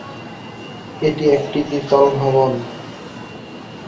এটি একটি দ্বিতল ভবন।